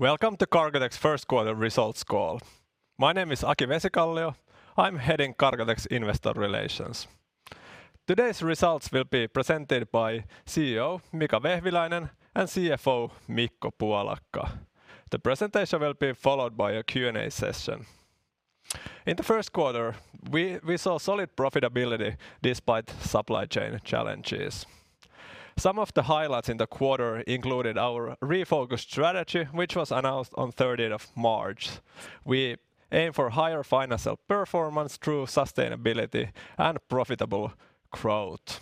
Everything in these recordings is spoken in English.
Welcome to Cargotec's Q1 Results Call. My name is Aki Vesikallio. I'm heading Cargotec's investor relations. Today's results will be presented by CEO Mika Vehviläinen and CFO Mikko Puolakka. The presentation will be followed by a Q&A session. In the first quarter, we saw solid profitability despite supply chain challenges. Some of the highlights in the quarter included our refocused strategy, which was announced on third day of March. We aim for higher financial performance through sustainability and profitable growth.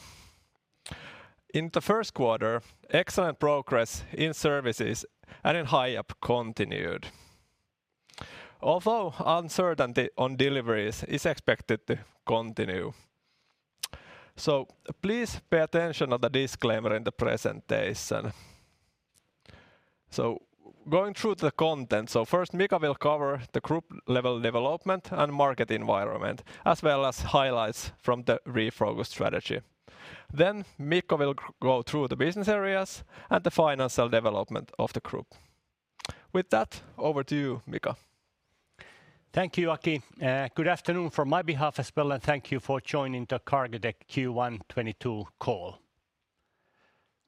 In the first quarter, excellent progress in services and in Hiab continued. Although uncertainty on deliveries is expected to continue, please pay attention on the disclaimer in the presentation. Going through the content. First, Mika will cover the group level development and market environment, as well as highlights from the refocused strategy. Then, Mikko will go through the business areas and the financial development of the group. With that, over to you, Mika. Thank you, Aki. Good afternoon from my behalf as well, and thank you for joining the Cargotec Q1 2022 call.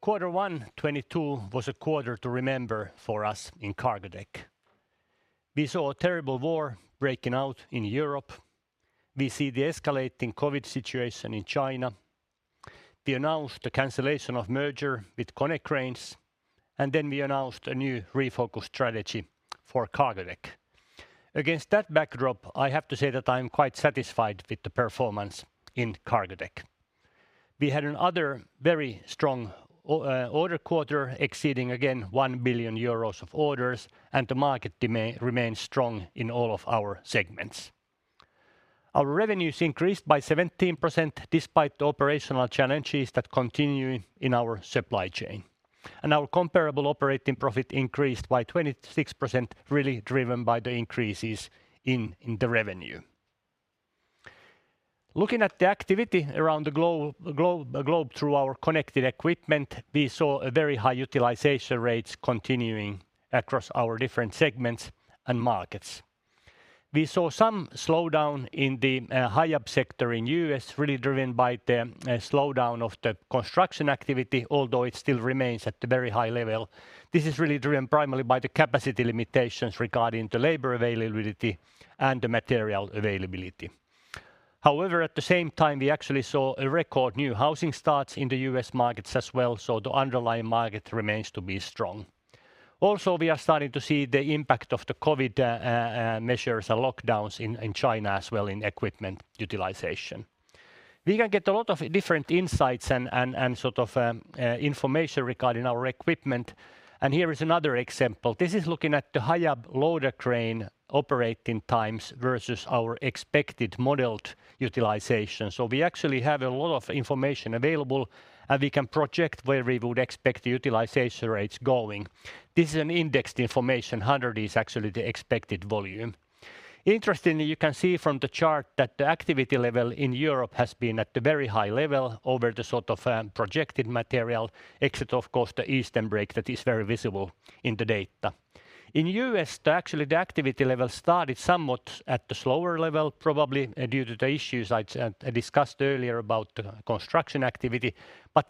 Q1 2022 was a quarter to remember for us in Cargotec. We saw a terrible war breaking out in Europe. We see the escalating COVID situation in China. We announced the cancellation of merger with Konecranes, and then we announced a new refocused strategy for Cargotec. Against that backdrop, I have to say that I'm quite satisfied with the performance in Cargotec. We had another very strong order quarter, exceeding again 1 billion euros of orders, and the market remains strong in all of our segments. Our revenues increased by 17% despite the operational challenges that continue in our supply chain. Our comparable operating profit increased by 26%, really driven by the increases in the revenue. Looking at the activity around the globe through our connected equipment, we saw a very high utilization rates continuing across our different segments and markets. We saw some slowdown in the Hiab sector in the U.S., really driven by the slowdown of the construction activity, although it still remains at the very high level. This is really driven primarily by the capacity limitations regarding the labor availability and the material availability. However, at the same time, we actually saw a record new housing starts in the U.S. markets as well, so the underlying market remains to be strong. Also, we are starting to see the impact of the COVID measures and lockdowns in China as well in equipment utilization. We can get a lot of different insights and sort of information regarding our equipment, and here is another example. This is looking at the Hiab loader crane operating times versus our expected modeled utilization. We actually have a lot of information available, and we can project where we would expect the utilization rates going. This is indexed information. 100 is actually the expected volume. Interestingly, you can see from the chart that the activity level in Europe has been at the very high level over the sort of projected material, except of course the eastern break that is very visible in the data. In U.S., actually the activity level started somewhat at the slower level, probably due to the issues discussed earlier about the construction activity.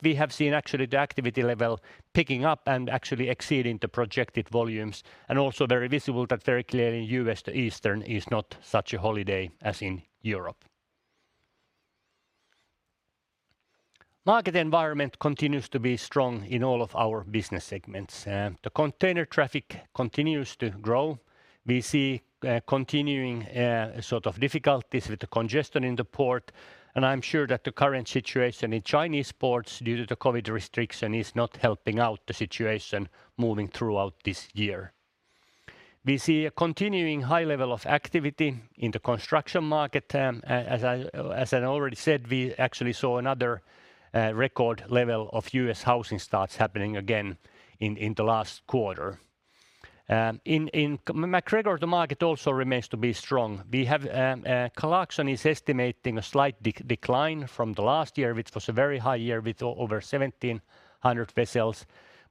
We have seen actually the activity level picking up and actually exceeding the projected volumes, and also very visible that very clearly U.S. too eastern is not such a holiday as in Europe. Market environment continues to be strong in all of our business segments. The container traffic continues to grow. We see continuing sort of difficulties with the congestion in the port, and I'm sure that the current situation in Chinese ports due to the COVID restriction is not helping out the situation moving throughout this year. We see a continuing high level of activity in the construction market. As I already said, we actually saw another record level of U.S. housing starts happening again in the last quarter. In MacGregor, the market also remains to be strong. We have Clarksons is estimating a slight decline from the last year, which was a very high year with over 1,700 vessels.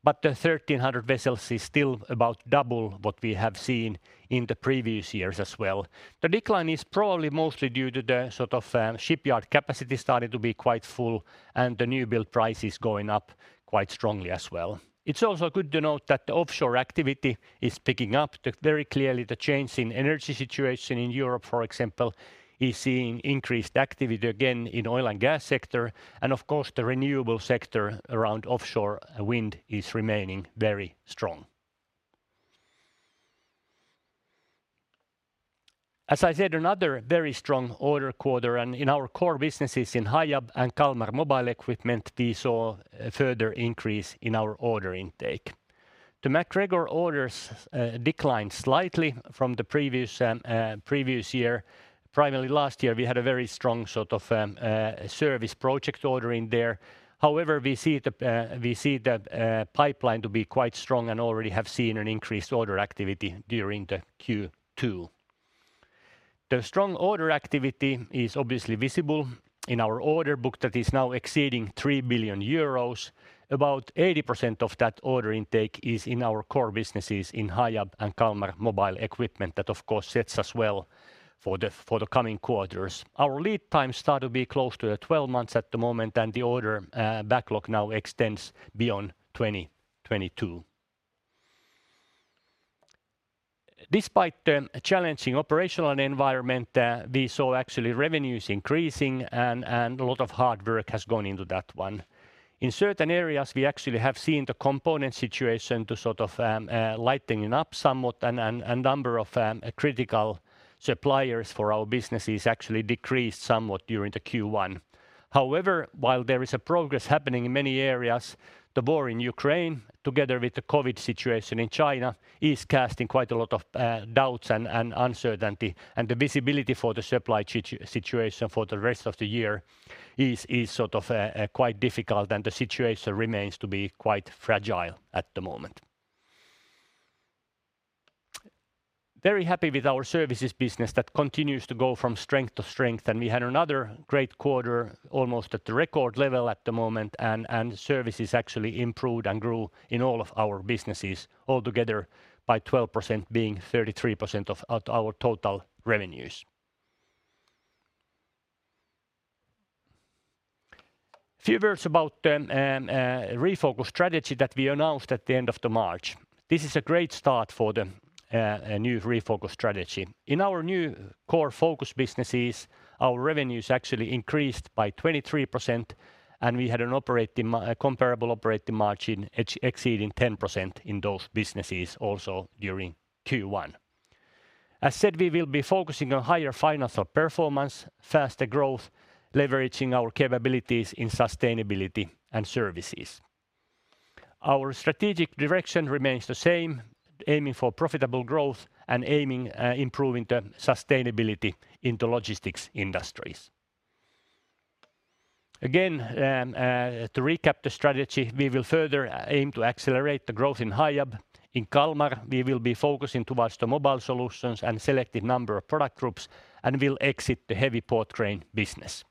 The 1,300 vessels is still about double what we have seen in the previous years as well. The decline is probably mostly due to shipyard capacity starting to be quite full and the new build prices going up quite strongly as well. It's also good to note that the offshore activity is picking up. Very clearly the change in energy situation in Europe, for example, is seeing increased activity again in oil and gas sector, and of course the renewable sector around offshore wind is remaining very strong. As I said, another very strong order quarter, and in our core businesses in Hiab and Kalmar Mobile Solutions, we saw a further increase in our order intake. The MacGregor orders declined slightly from the previous year. Primarily last year, we had a very strong sort of service project order in there. However, we see the pipeline to be quite strong and already have seen an increased order activity during the Q2. The strong order activity is obviously visible in our order book that is now exceeding 3 billion euros. About 80% of that order intake is in our core businesses in Hiab and Kalmar mobile equipment. That of course sets us well for the coming quarters. Our lead time start to be close to 12 months at the moment, and the order backlog now extends beyond 2022. Despite the challenging operational environment, we saw actually revenues increasing and a lot of hard work has gone into that one. In certain areas, we actually have seen the component situation to sort of lightening up somewhat and a number of critical suppliers for our businesses actually decreased somewhat during the Q1. However, while there is a progress happening in many areas, the war in Ukraine together with the COVID situation in China is casting quite a lot of doubts and uncertainty, and the visibility for the supply situation for the rest of the year is sort of quite difficult, and the situation remains to be quite fragile at the moment. Very happy with our services business that continues to go from strength to strength, and we had another great quarter, almost at the record level at the moment, and services actually improved and grew in all of our businesses all together by 12% being 33% of our total revenues. Few words about refocus strategy that we announced at the end of March. This is a great start for the new refocus strategy. In our new core focus businesses, our revenues actually increased by 23%, and we had a comparable operating margin exceeding 10% in those businesses also during Q1. As said, we will be focusing on higher financial performance, faster growth, leveraging our capabilities in sustainability and services. Our strategic direction remains the same, aiming for profitable growth and improving the sustainability into logistics industries. Again, to recap the strategy, we will further aim to accelerate the growth in Hiab. In Kalmar, we will be focusing towards the mobile solutions and selective number of product groups and will exit the heavy port crane business.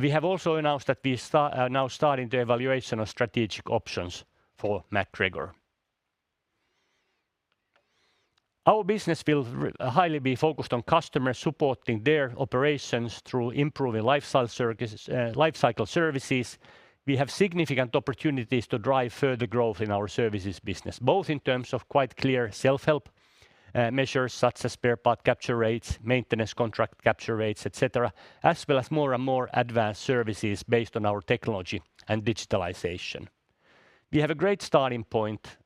We have also announced that we are now starting the evaluation of strategic options for MacGregor. Our business will highly be focused on customers supporting their operations through improving lifecycle services. We have significant opportunities to drive further growth in our services business, both in terms of quite clear self-help measures such as spare part capture rates, maintenance contract capture rates, et cetera, as well as more and more advanced services based on our technology and digitalization. We have a great starting point.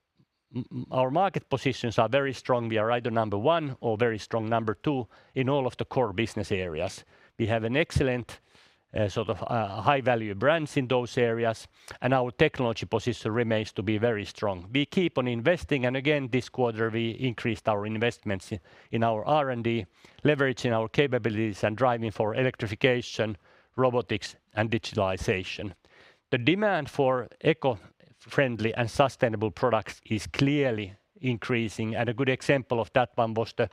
Our market positions are very strong. We are either number 1 or very strong number 2 in all of the core business areas. We have an excellent, sort of, high-value brands in those areas, and our technology position remains to be very strong. We keep on investing, and again, this quarter we increased our investments in our R&D, leveraging our capabilities and driving for electrification, robotics, and digitalization. The demand for eco-friendly and sustainable products is clearly increasing, and a good example of that one was the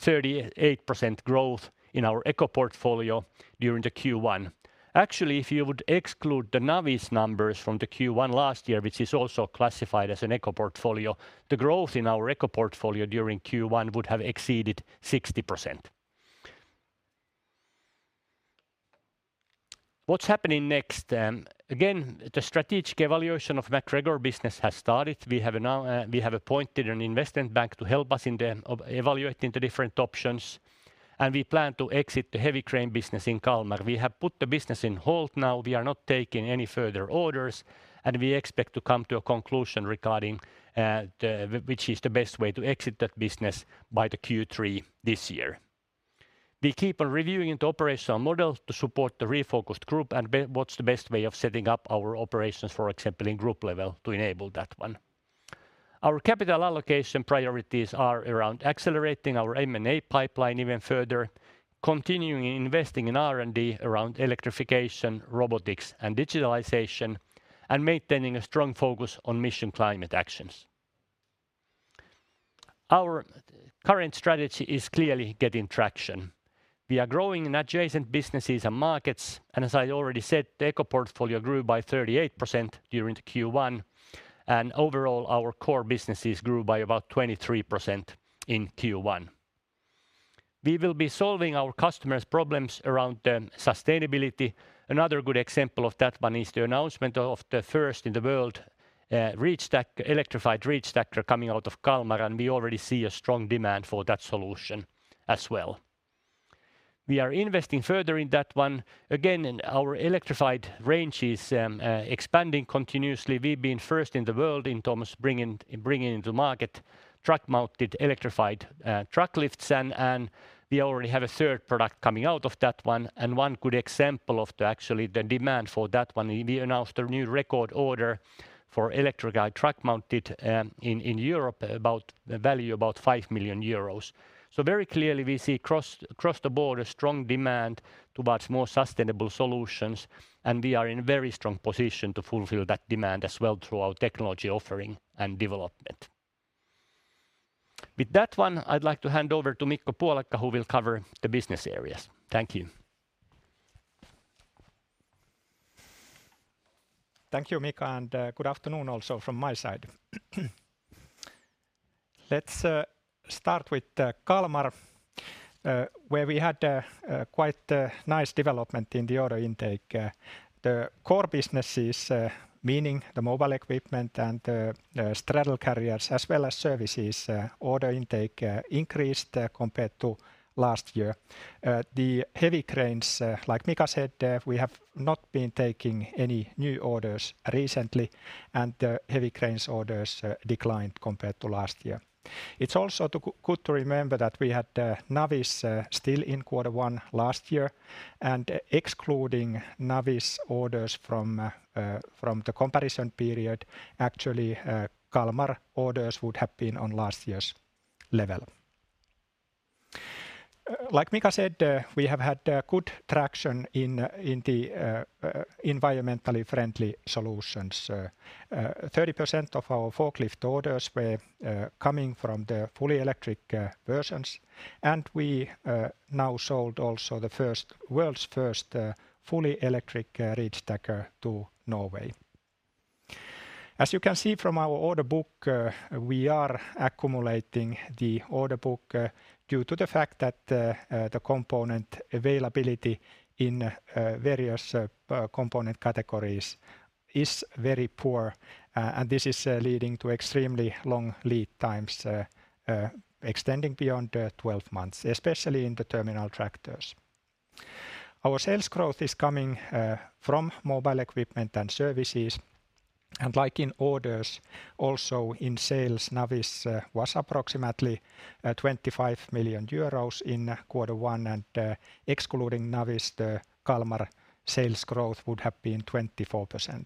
38% growth in our eco portfolio during the Q1. Actually, if you would exclude the Navis numbers from the Q1 last year, which is also classified as an eco portfolio, the growth in our eco portfolio during Q1 would have exceeded 60%. What's happening next? Again, the strategic evaluation of MacGregor business has started. We have appointed an investment bank to help us evaluating the different options, and we plan to exit the heavy crane business in Kalmar. We have put the business on hold now. We are not taking any further orders, and we expect to come to a conclusion regarding which is the best way to exit that business by Q3 this year. We keep on reviewing the operational models to support the refocused group and what's the best way of setting up our operations, for example, in group level to enable that one. Our capital allocation priorities are around accelerating our M&A pipeline even further, continuing investing in R&D around electrification, robotics, and digitalization, and maintaining a strong focus on mission climate actions. Our current strategy is clearly getting traction. We are growing in adjacent businesses and markets, and as I already said, the eco portfolio grew by 38% during the Q1, and overall, our core businesses grew by about 23% in Q1. We will be solving our customers' problems around sustainability. Another good example of that one is the announcement of the first in the world, reach stacker, electrified reach stacker coming out of Kalmar, and we already see a strong demand for that solution as well. We are investing further in that one. Again, in our electrified range is expanding continuously. We've been first in the world in terms of bringing into market truck-mounted electric forklifts and we already have a third product coming out of that one, and one good example of the actual demand for that one, we announced a new record order for electric MOFFETT truck-mounted forklifts in Europe, value of about 5 million euros. Very clearly we see across the board a strong demand towards more sustainable solutions, and we are in very strong position to fulfill that demand as well through our technology offering and development. With that one, I'd like to hand over to Mikko Puolakka, who will cover the business areas. Thank you. Thank you, Mika, and good afternoon also from my side. Let's start with Kalmar, where we had quite a nice development in the order intake. The core businesses, meaning the mobile equipment and the straddle carriers as well as services, order intake increased compared to last year. The heavy cranes, like Mika said, we have not been taking any new orders recently, and the heavy cranes orders declined compared to last year. It's also good to remember that we had Navis still in quarter one last year, and excluding Navi's orders from the comparison period, actually, Kalmar orders would have been on last year's level. Like Mika said, we have had good traction in the environmentally friendly solutions. 30% of our forklift orders were coming from the fully electric versions, and we now sold also the world's first fully electric reach stacker to Norway. As you can see from our order book, we are accumulating the order book due to the fact that the component availability in various component categories is very poor, and this is leading to extremely long lead times extending beyond 12 months, especially in the terminal tractors. Our sales growth is coming from mobile equipment and services, and like in orders, also in sales, Navis was approximately 25 million euros in Q1, and excluding Navis, the Kalmar sales growth would have been 24%.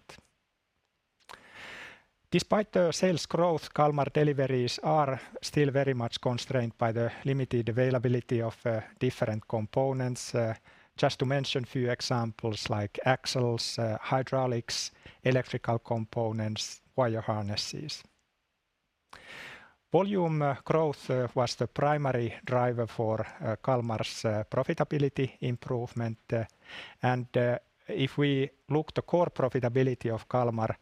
Despite the sales growth, Kalmar deliveries are still very much constrained by the limited availability of different components. Just to mention few examples like axles, hydraulics, electrical components, wire harnesses. Volume growth was the primary driver for Kalmar's profitability improvement, and if we look the core profitability of Kalmar,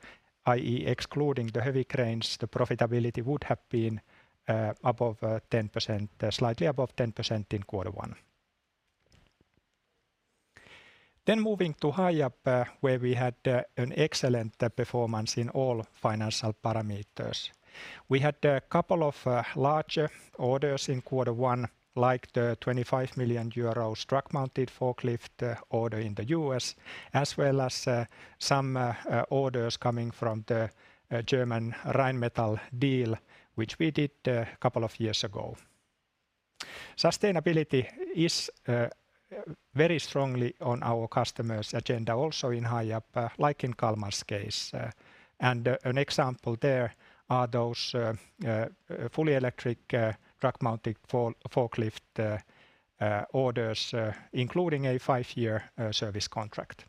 i.e. excluding the heavy cranes, the profitability would have been above 10%, slightly above 10% in quarter one. Moving to Hiab, where we had an excellent performance in all financial parameters. We had a couple of larger orders in quarter one, like the 25 million euro truck-mounted forklift order in the U.S., as well as some orders coming from the German Rheinmetall deal, which we did a couple of years ago. Sustainability is very strongly on our customers' agenda also in Hiab, like in Kalmar's case, and an example there are those fully electric truck-mounted forklift orders, including a 5-year service contract.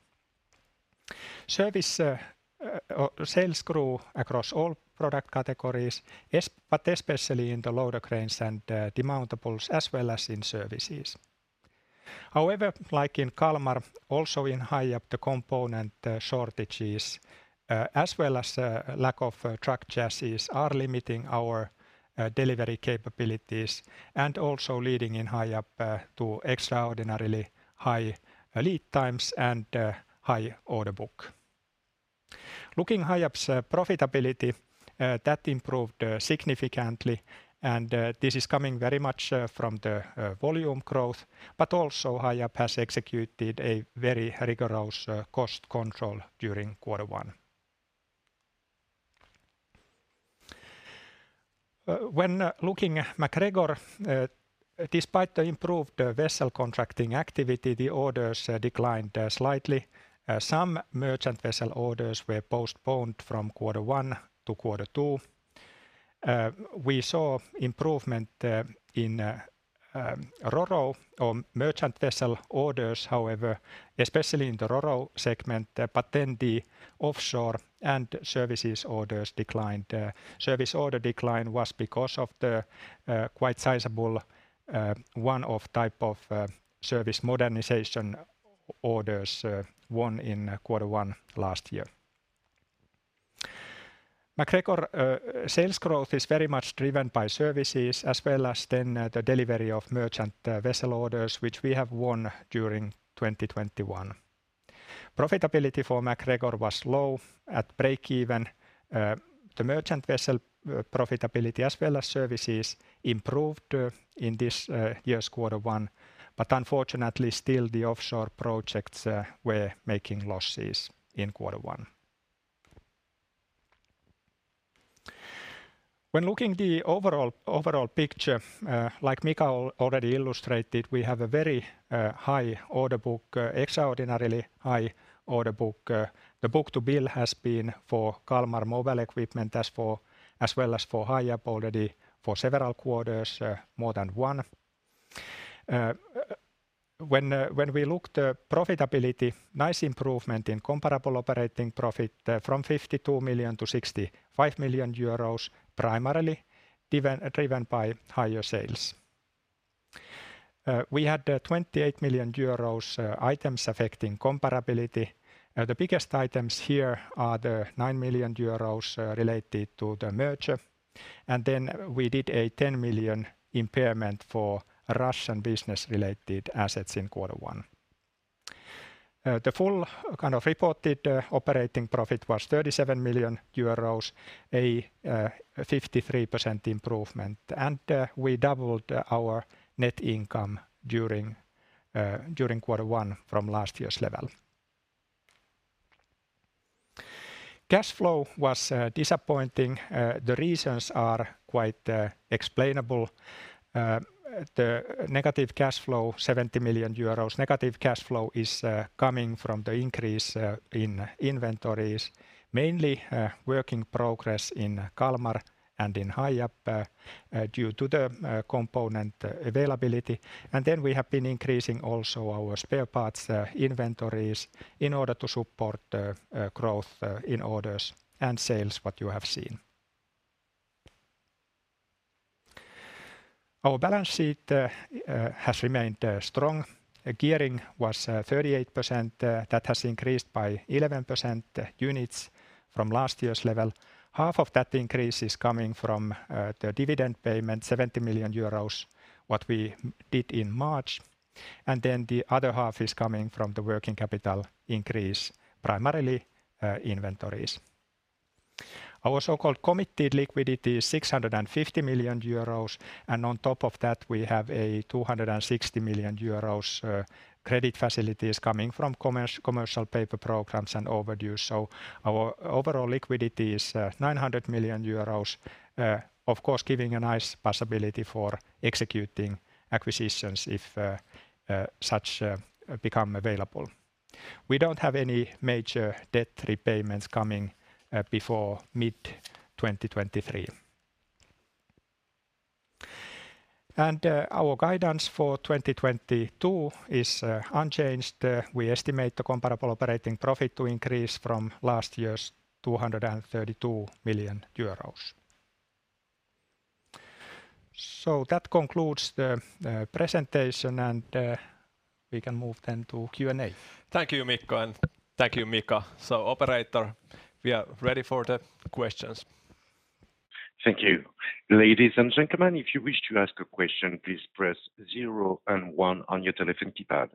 Service sales grew across all product categories, but especially in the loader cranes and demountables, as well as in services. However, like in Kalmar, also in Hiab, the component shortages, as well as lack of truck chassis are limiting our delivery capabilities and also leading in Hiab to extraordinarily high lead times and high order book. Looking at Hiab's profitability, that improved significantly, and this is coming very much from the volume growth, but also Hiab has executed a very rigorous cost control during quarter one. When looking at MacGregor, despite the improved vessel contracting activity, the orders declined slightly. Some merchant vessel orders were postponed from quarter one to quarter two. We saw improvement in ro-ro or merchant vessel orders, however, especially in the ro-ro segment, but then the offshore and services orders declined. Service order decline was because of the quite sizable one-off type of service modernization orders won in quarter one last year. MacGregor sales growth is very much driven by services as well as then the delivery of merchant vessel orders, which we have won during 2021. Profitability for MacGregor was low at break-even. The merchant vessel profitability as well as services improved in this year's quarter one, but unfortunately, still the offshore projects were making losses in quarter one. When looking at the overall picture, like Mika already illustrated, we have a very high order book, extraordinarily high order book. The book-to-bill has been for Kalmar Mobile equipment as well as for Hiab already for several quarters, more than one. When we look at the profitability, nice improvement in comparable operating profit, from 52 million to 65 million euros, primarily driven by higher sales. We had 28 million euros items affecting comparability. The biggest items here are the 9 million euros related to the merger. Then we did a 10 million impairment for Russian business-related assets in quarter one. The full kind of reported operating profit was 37 million euros, a 53% improvement. We doubled our net income during quarter one from last year's level. Cash flow was disappointing. The reasons are quite explainable. The negative cash flow of EUR 70 million is coming from the increase in inventories, mainly work in progress in Kalmar and in Hiab, due to the component availability. We have been increasing also our spare parts inventories in order to support growth in orders and sales, what you have seen. Our balance sheet has remained strong. Gearing was 38%, that has increased by 11 percentage points from last year's level. Half of that increase is coming from the dividend payment, 70 million euros, what we did in March. The other half is coming from the working capital increase, primarily inventories. Our so-called committed liquidity is 650 million euros, and on top of that, we have 260 million euros credit facilities coming from commercial paper programs and overdraft. Our overall liquidity is EUR 900 million, of course, giving a nice possibility for executing acquisitions if such become available. We don't have any major debt repayments coming before mid-2023. Our guidance for 2022 is unchanged. We estimate the comparable operating profit to increase from last year's 232 million euros. That concludes the presentation, and we can move then to Q&A. Thank you, Mikko, and thank you, Mika. Operator, we are ready for the questions. Thank you. Ladies and gentlemen, if you wish to ask a question, please press 0 and 1 on your telephone keypad.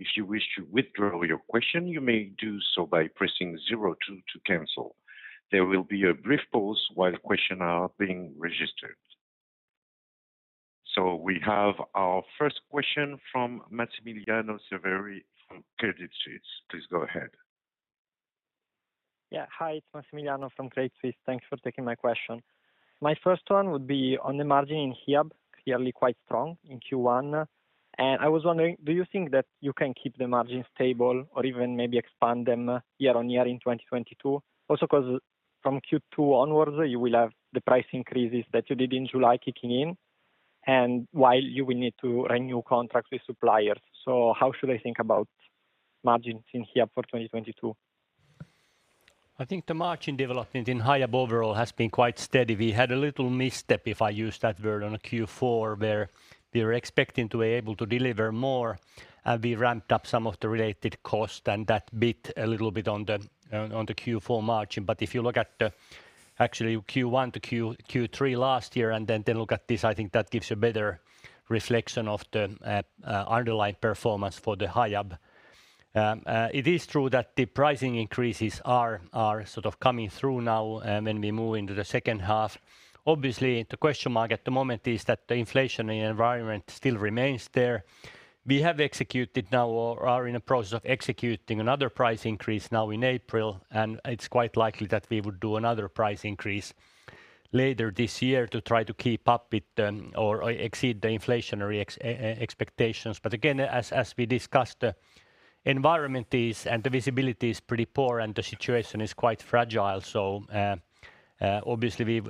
If you wish to withdraw your question, you may do so by pressing 0 2 to cancel. There will be a brief pause while questions are being registered. We have our first question from Massimiliano Severi from Credit Suisse. Please go ahead. Yeah. Hi, it's Massimiliano from Credit Suisse. Thanks for taking my question. My first one would be on the margin in Hiab, clearly quite strong in Q1. I was wondering, do you think that you can keep the margin stable or even maybe expand them year-on-year in 2022? Also, because from Q2 onwards, you will have the price increases that you did in July kicking in while you will need to renew contracts with suppliers. How should I think about margins in Hiab for 2022? I think the margin development in Hiab overall has been quite steady. We had a little misstep, if I use that word, on Q4, where we were expecting to be able to deliver more, and we ramped up some of the related cost, and that bit a little bit on the Q4 margin. If you look at the actually Q1 to Q3 last year and then look at this, I think that gives a better reflection of the underlying performance for the Hiab. It is true that the pricing increases are sort of coming through now, when we move into the second half. Obviously, the question mark at the moment is that the inflationary environment still remains there. We have executed now or are in a process of executing another price increase now in April, and it's quite likely that we would do another price increase later this year to try to keep up with them or exceed the inflationary expectations. Again, as we discussed, the environment is, and the visibility is pretty poor, and the situation is quite fragile. Obviously,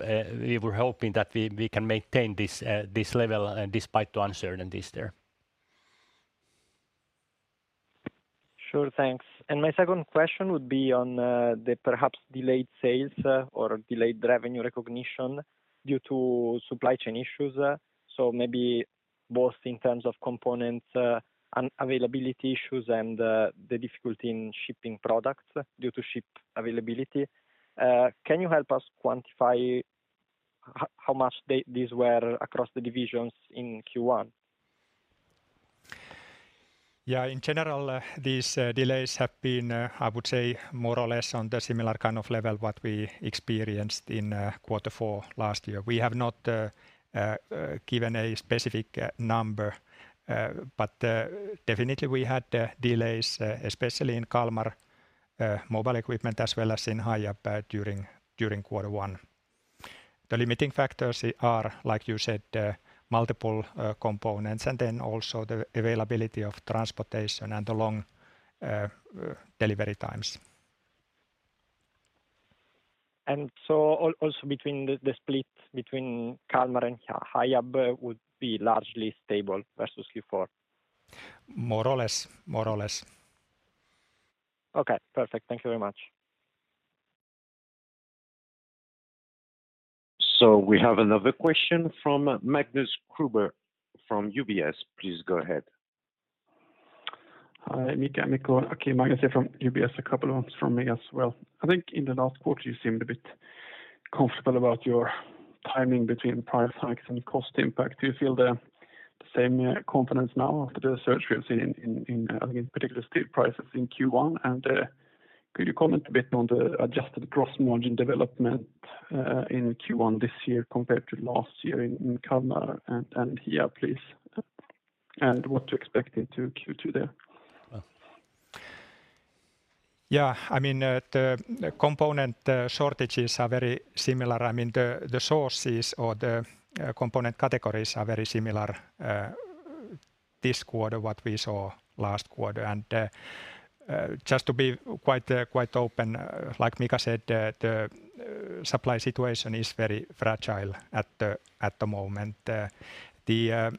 we were hoping that we can maintain this level despite the uncertainties there. Sure. Thanks. My second question would be on the perhaps delayed sales or delayed revenue recognition due to supply chain issues. Maybe both in terms of components and availability issues and the difficulty in shipping products due to ship availability. Can you help us quantify how much these were across the divisions in Q1? Yeah. In general, these delays have been, I would say more or less on the similar kind of level what we experienced in quarter four last year. We have not given a specific number, but definitely we had delays, especially in Kalmar mobile equipment as well as in Hiab during quarter one. The limiting factors are, like you said, multiple components, and then also the availability of transportation and the long delivery times. Also between the split between Kalmar and Hiab would be largely stable versus Q4? More or less. More or less. Okay, perfect. Thank you very much. We have another question from Magnus Kruber from UBS. Please go ahead. Hi Mika, Mikko. Okay. Magnus here from UBS. A couple of questions from me as well. I think in the last quarter you seemed a bit comfortable about your timing between price hikes and cost impact. Do you feel the same confidence now after the surge we have seen in, I think in particular steel prices in Q1? Could you comment a bit on the adjusted gross margin development in Q1 this year compared to last year in Kalmar and Hiab please? What to expect into Q2 there. Yeah. I mean, the component shortages are very similar. I mean, the sources or the component categories are very similar to what we saw last quarter. Just to be quite open, like Mika said, the supply situation is very fragile at the moment. The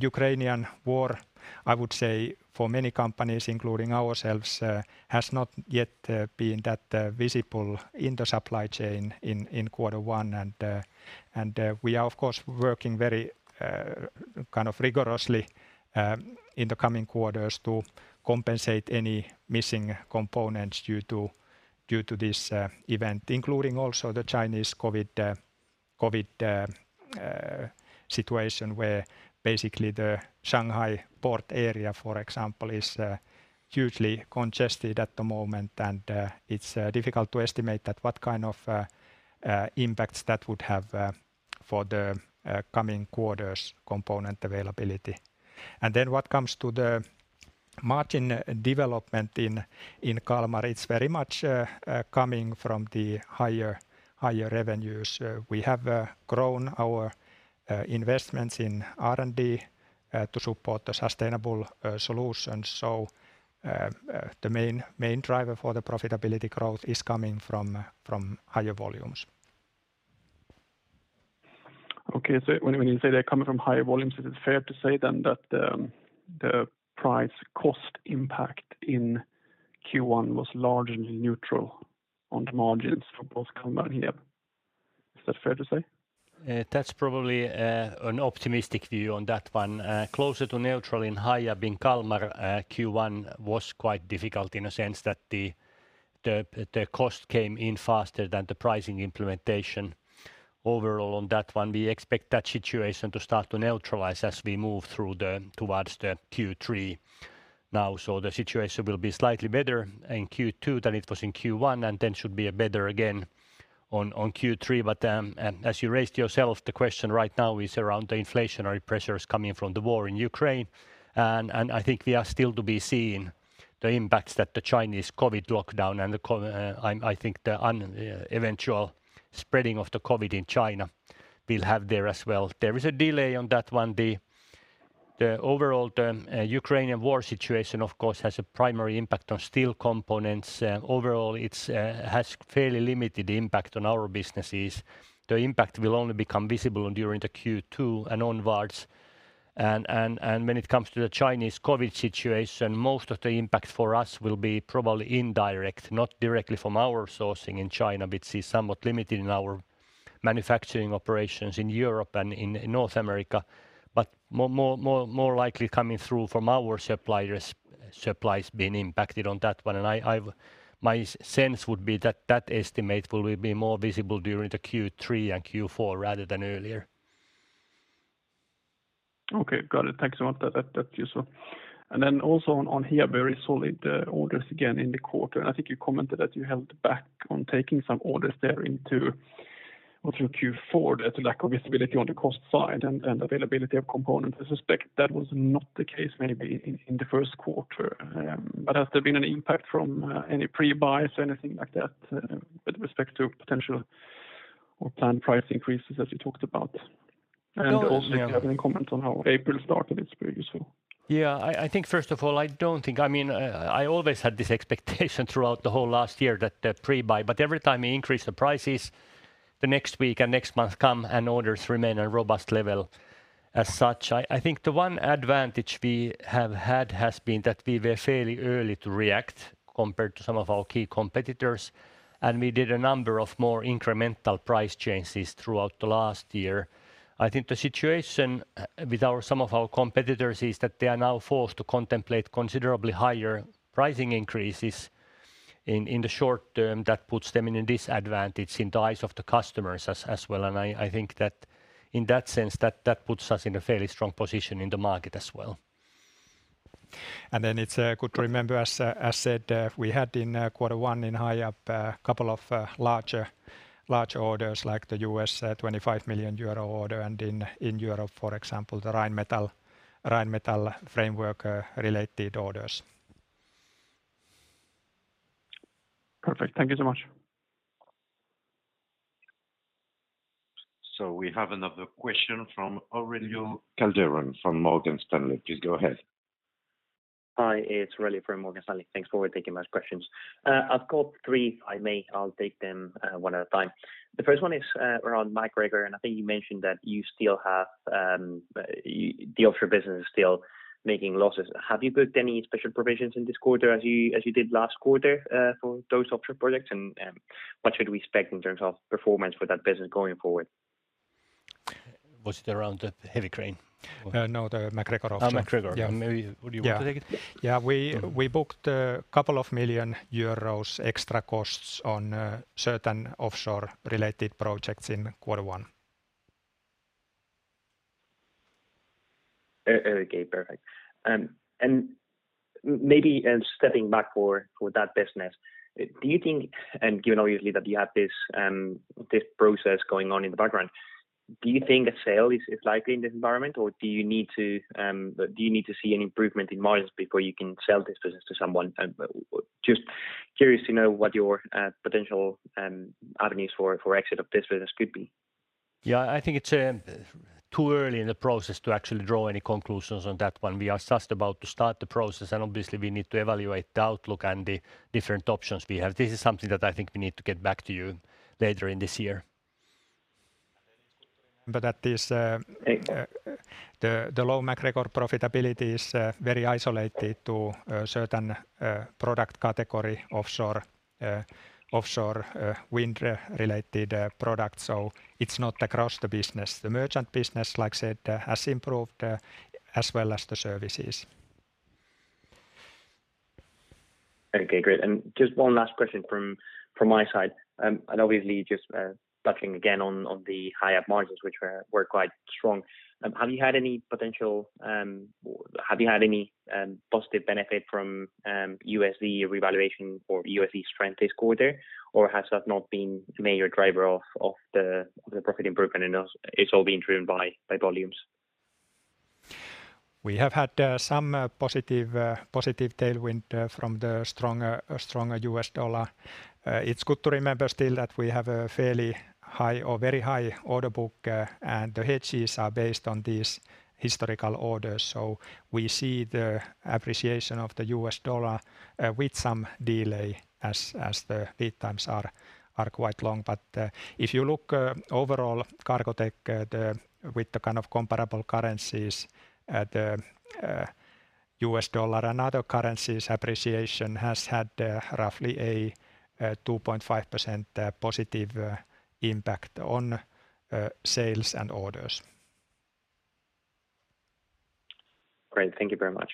Ukrainian war, I would say for many companies including ourselves, has not yet been that visible in the supply chain in quarter one. We are of course working very kind of rigorously in the coming quarters to compensate any missing components due to this event, including also the Chinese COVID situation where basically the Shanghai port area, for example, is hugely congested at the moment. It's difficult to estimate what kind of impacts that would have for the coming quarters component availability. When it comes to the margin development in Kalmar, it's very much coming from the higher revenues. We have grown our investments in R&D to support the sustainable solutions. The main driver for the profitability growth is coming from higher volumes. Okay. When you say they're coming from higher volumes, is it fair to say then that the price cost impact in Q1 was largely neutral on the margins for both Kalmar and Hiab? Is that fair to say? That's probably an optimistic view on that one. Closer to neutral in Hiab. In Kalmar, Q1 was quite difficult in a sense that the cost came in faster than the pricing implementation overall on that one. We expect that situation to start to neutralize as we move towards Q3 now. The situation will be slightly better in Q2 than it was in Q1, and then should be better again on Q3. As you raised yourself, the question right now is around the inflationary pressures coming from the war in Ukraine. I think we are still to be seeing the impacts that the Chinese COVID lockdown and the eventual spreading of the COVID in China will have there as well. There is a delay on that one. The overall Ukrainian war situation of course has a primary impact on steel components. Overall it has fairly limited impact on our businesses. The impact will only become visible during the Q2 and onwards. When it comes to the Chinese COVID situation, most of the impact for us will be probably indirect, not directly from our sourcing in China, which is somewhat limited in our manufacturing operations in Europe and in North America. But more likely coming through from our suppliers, supplies being impacted on that one. My sense would be that estimate will be more visible during the Q3 and Q4 rather than earlier. Okay. Got it. Thanks so much, that's useful. Then also on Hiab, very solid orders again in the quarter. I think you commented that you held back on taking some orders there into or through Q4 there, the lack of visibility on the cost side and availability of components. I suspect that was not the case maybe in the first quarter. Has there been an impact from any pre-buys or anything like that with respect to potential or planned price increases as you talked about? Those- If you have any comment on how April started, it's pretty useful. Yeah. I think first of all, I don't think. I mean, I always had this expectation throughout the whole last year that the pre-buy. Every time we increase the prices, the next week and next month come and orders remain at a robust level as such. I think the one advantage we have had has been that we were fairly early to react compared to some of our key competitors, and we did a number of more incremental price changes throughout the last year. I think the situation with some of our competitors is that they are now forced to contemplate considerably higher pricing increases in the short term, that puts them in a disadvantage in the eyes of the customers as well. I think that in that sense that puts us in a fairly strong position in the market as well. It's good to remember, as said, we had in quarter one in Hiab a couple of large orders like the U.S. 25 million euro order and in Europe, for example, the Rheinmetall framework related orders. Perfect. Thank you so much. We have another question from Aurelio Calderon Tejedor from Morgan Stanley. Please go ahead. Hi, it's Aurelio from Morgan Stanley. Thanks for taking my questions. I've got three, if I may. I'll take them one at a time. The first one is around MacGregor, and I think you mentioned that you still have the offshore business is still making losses. Have you booked any special provisions in this quarter as you did last quarter for those offshore projects? What should we expect in terms of performance for that business going forward? Was it around the heavy crane? No, the MacGregor offshore. Oh, MacGregor. Yeah. Maybe do you want to take it? Yeah. We booked a couple of million EUR extra costs on certain offshore related projects in quarter one. Okay, perfect. Maybe, stepping back for that business, do you think. Given obviously that you have this process going on in the background, do you think a sale is likely in this environment? Or do you need to see an improvement in margins before you can sell this business to someone? Just curious to know what your potential avenues for exit of this business could be. Yeah, I think it's too early in the process to actually draw any conclusions on that one. We are just about to start the process, and obviously we need to evaluate the outlook and the different options we have. This is something that I think we need to get back to you later in this year. But at this, uh- Okay The low MacGregor profitability is very isolated to a certain product category offshore wind-related product. So it's not across the business. The merchant business, like I said, has improved, as well as the services. Okay, great. Just one last question from my side. Obviously just touching again on the higher margins, which were quite strong. Have you had any positive benefit from USD revaluation or USD strength this quarter, or has that not been a major driver of the profit improvement, and it's all been driven by volumes? We have had some positive tailwind from the stronger US dollar. It's good to remember still that we have a fairly high or very high order book, and the hedges are based on these historical orders. We see the appreciation of the US dollar with some delay as the lead times are quite long. If you look overall Cargotec with the kind of comparable currencies at US dollar and other currencies, appreciation has had roughly a 2.5% positive impact on sales and orders. Great. Thank you very much.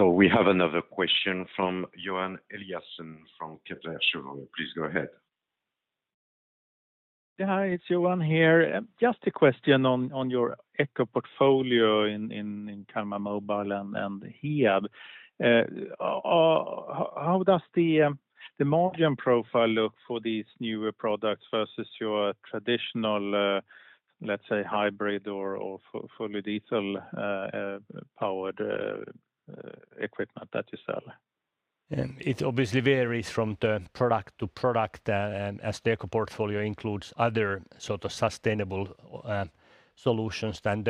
We have another question from Johan Eliason from Kepler Cheuvreux. Please go ahead. Yeah. Hi, it's Johan here. Just a question on your eco portfolio in Kalmar Mobile and Hiab. How does the margin profile look for these newer products versus your traditional, let's say hybrid or fully diesel powered equipment that you sell? It obviously varies from the product to product, as the eco portfolio includes other sort of sustainable solutions than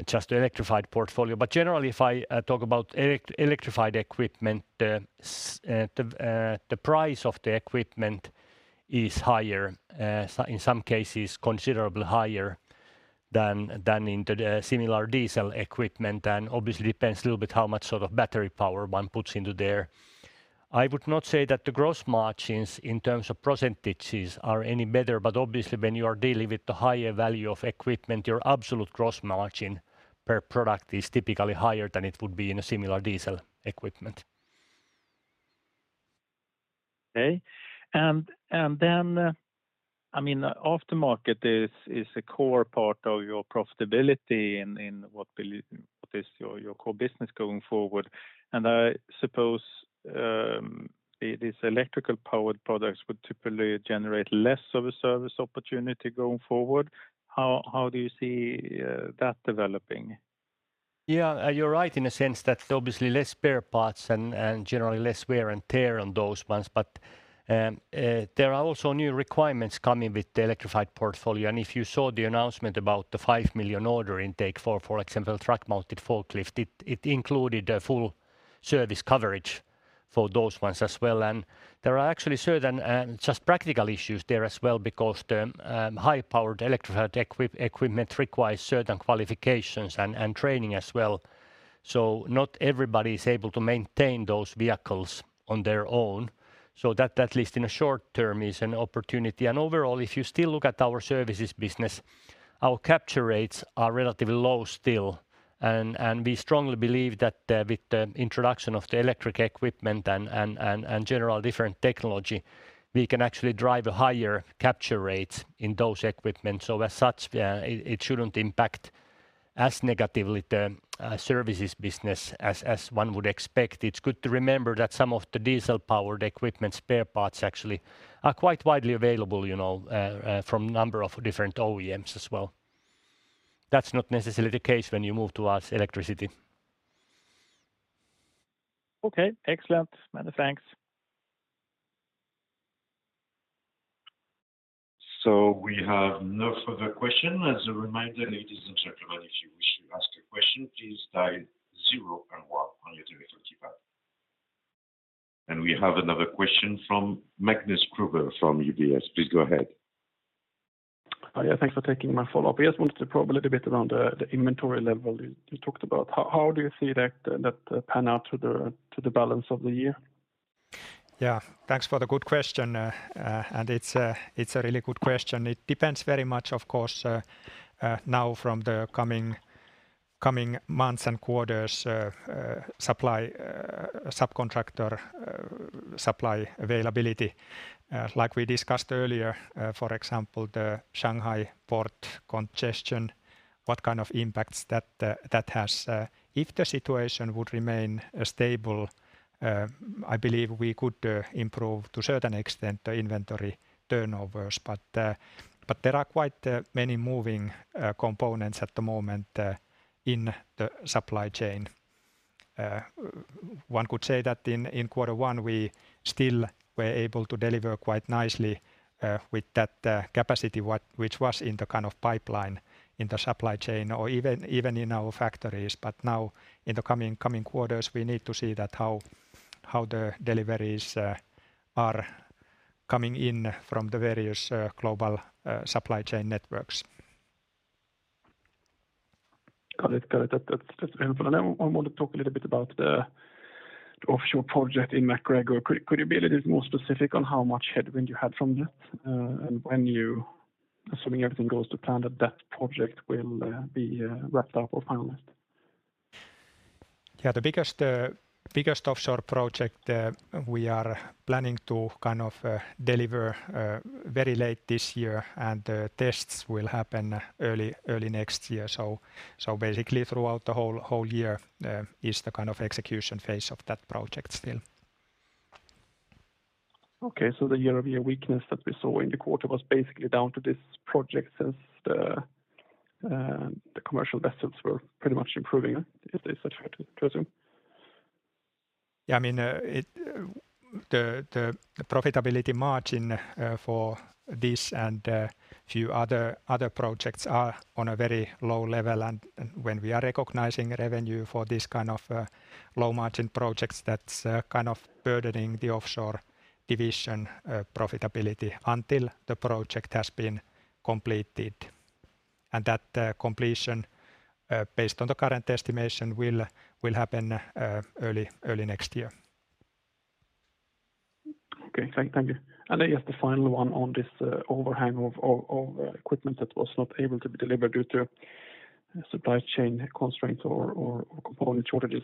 the just electrified portfolio. Generally, if I talk about electrified equipment, the price of the equipment is higher, so in some cases considerably higher than in the similar diesel equipment, and obviously depends a little bit how much sort of battery power one puts into there. I would not say that the gross margins in terms of percentages are any better, but obviously when you are dealing with the higher value of equipment, your absolute gross margin per product is typically higher than it would be in a similar diesel equipment. Okay. I mean, aftermarket is a core part of your profitability in what is your core business going forward. I suppose these electrically powered products would typically generate less of a service opportunity going forward. How do you see that developing? Yeah. You're right in a sense that obviously less spare parts and generally less wear and tear on those ones. There are also new requirements coming with the electrified portfolio. If you saw the announcement about the 5 million order intake for example truck-mounted forklift, it included a full service coverage for those ones as well. There are actually certain just practical issues there as well because the high-powered electrified equipment requires certain qualifications and training as well. Not everybody is able to maintain those vehicles on their own. That, at least in the short term, is an opportunity. Overall, if you still look at our services business, our capture rates are relatively low still. We strongly believe that with the introduction of the electric equipment and general different technology, we can actually drive a higher capture rate in those equipment. As such, it shouldn't impact as negatively the services business as one would expect. It's good to remember that some of the diesel-powered equipment spare parts actually are quite widely available, you know, from a number of different OEMs as well. That's not necessarily the case when you move towards electricity. Okay, excellent. Many thanks. We have no further question. As a reminder, ladies and gentlemen, if you wish to ask a question, please dial 0 and 1 on your telephone keypad. We have another question from Magnus Kruber from UBS. Please go ahead. Yeah, thanks for taking my follow-up. Yes, wanted to probe a little bit around the inventory level you talked about. How do you see that pan out to the balance of the year? Yeah. Thanks for the good question, and it's a really good question. It depends very much, of course, now from the coming months and quarters, supply subcontractor supply availability. Like we discussed earlier, for example, the Shanghai port congestion, what kind of impacts that has. If the situation would remain stable, I believe we could improve to certain extent the inventory turnovers. There are quite many moving components at the moment in the supply chain. One could say that in quarter one, we still were able to deliver quite nicely with that capacity which was in the kind of pipeline in the supply chain or even in our factories. Now in the coming quarters, we need to see that how the deliveries are coming in from the various global supply chain networks. Got it. That's very helpful. I wanna talk a little bit about the offshore project in MacGregor. Could you be a little more specific on how much headwind you had from that, and when, assuming everything goes to plan, that project will be wrapped up or finalized? Yeah. The biggest offshore project we are planning to kind of deliver very late this year, and the tests will happen early next year. So basically throughout the whole year is the kind of execution phase of that project still. The year-over-year weakness that we saw in the quarter was basically down to this project since the commercial vessels were pretty much improving. Is this fair to assume? Yeah, I mean, the profitability margin for this and a few other projects are on a very low level and when we are recognizing revenue for this kind of low margin projects, that's kind of burdening the offshore division profitability until the project has been completed. That completion based on the current estimation will happen early next year. Okay. Thank you. Then just the final one on this, overhang of equipment that was not able to be delivered due to supply chain constraints or component shortages.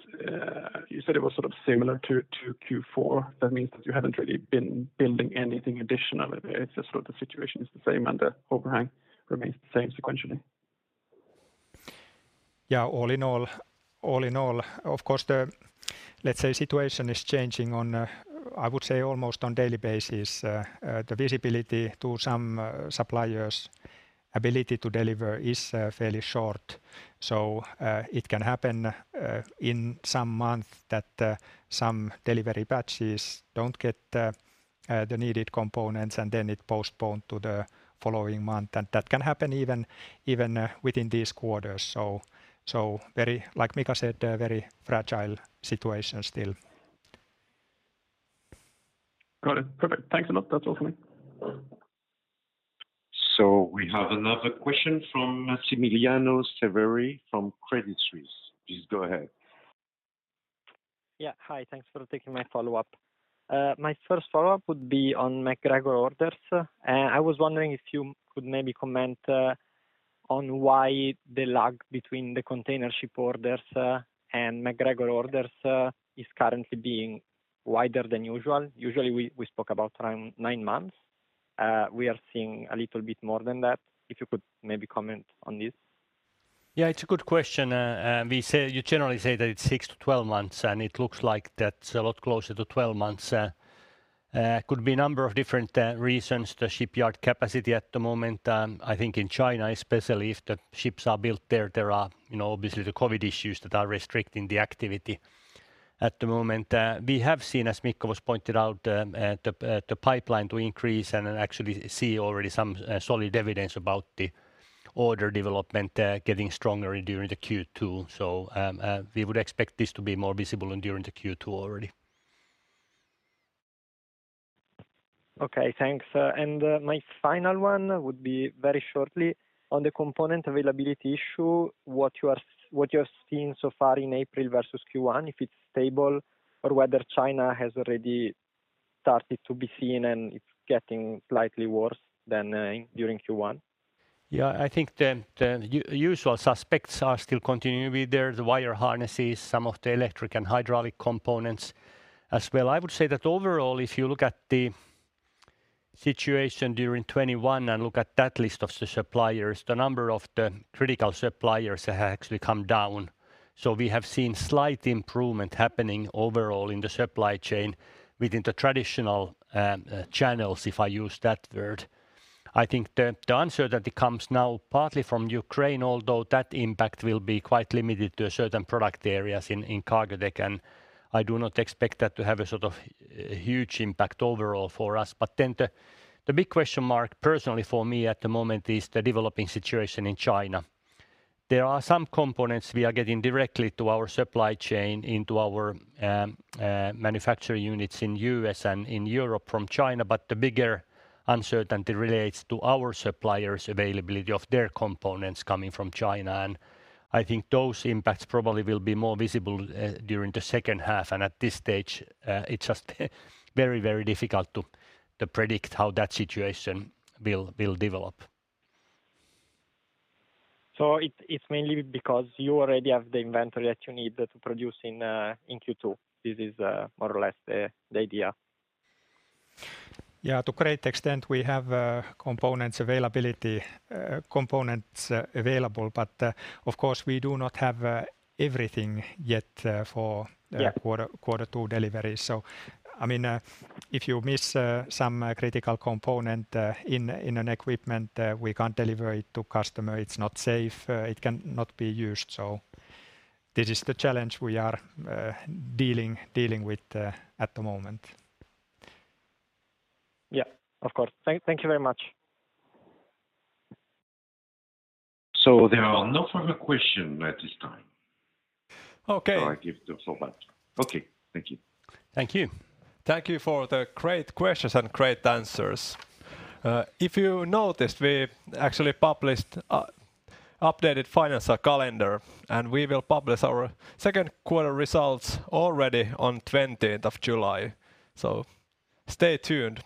You said it was sort of similar to Q4. That means that you haven't really been building anything additional. It's just sort of the situation is the same and the overhang remains the same sequentially. All in all, of course, let's say, the situation is changing on, I would say, almost on a daily basis. The visibility to some suppliers' ability to deliver is fairly short. It can happen in some month that some delivery batches don't get the needed components, and then it postponed to the following month. That can happen even within this quarter. Like Mika said, a very fragile situation still. Got it. Perfect. Thanks a lot. That's all for me. We have another question from Massimiliano Severi from Credit Suisse. Please go ahead. Yeah. Hi. Thanks for taking my follow-up. My first follow-up would be on MacGregor orders. I was wondering if you could maybe comment on why the lag between the container ship orders and MacGregor orders is currently being wider than usual. Usually we spoke about around nine months. We are seeing a little bit more than that. If you could maybe comment on this. Yeah, it's a good question. You generally say that it's 6-12 months, and it looks like that's a lot closer to 12 months. Could be a number of different reasons. The shipyard capacity at the moment, I think in China especially, if the ships are built there are, you know, obviously the COVID issues that are restricting the activity at the moment. We have seen, as Mikko has pointed out, the pipeline to increase and actually see already some solid evidence about the order development getting stronger during the Q2. We would expect this to be more visible during the Q2 already. Okay. Thanks. My final one would be very shortly on the component availability issue. What you have seen so far in April versus Q1, if it's stable or whether China has already started to be seen and it's getting slightly worse than during Q1? Yeah. I think the usual suspects are still continuing to be there. The wire harnesses, some of the electric and hydraulic components as well. I would say that overall, if you look at the situation during 2021 and look at that list of the suppliers, the number of the critical suppliers has actually come down. We have seen slight improvement happening overall in the supply chain within the traditional channels, if I use that word. I think the uncertainty comes now partly from Ukraine, although that impact will be quite limited to certain product areas in Cargotec, and I do not expect that to have a sort of huge impact overall for us. The big question mark personally for me at the moment is the developing situation in China. There are some components we are getting directly to our supply chain into our manufacturing units in U.S. and in Europe from China. The bigger uncertainty relates to our suppliers' availability of their components coming from China, and I think those impacts probably will be more visible during the second half. At this stage, it's just very difficult to predict how that situation will develop. It's mainly because you already have the inventory that you need to produce in Q2. This is more or less the idea. Yeah, to a great extent we have components available, but of course we do not have everything yet. Yeah... quarter two delivery. I mean, if you miss some critical component in an equipment, we can't deliver it to customer. It's not safe. It cannot be used. This is the challenge we are dealing with at the moment. Yeah, of course. Thank you very much. There are no further questions at this time. Okay. I give the floor back. Okay. Thank you. Thank you. Thank you for the great questions and great answers. If you noticed, we actually published updated financial calendar, and we will publish our second quarter results already on twentieth of July, so stay tuned.